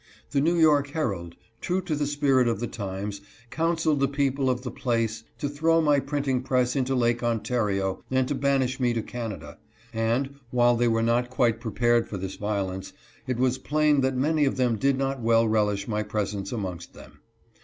\The New York Herald, true to the spirit of the times, Counselled the people of the place to throw my printing press into Lake Ontario and to banish me to Canada, and, while they were not quite prepared for this violence, it was plain that many of them did not well relish my presence amongst them.